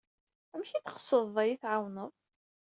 Amek i d-tqesdeḍ ad yi-tɛawneḍ?